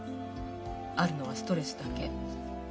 あるのはストレスだけ。